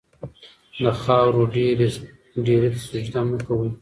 د خاورو ډېري ته سجده مه کوئ.